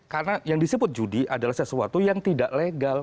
karena yang disebut judi adalah sesuatu yang tidak legal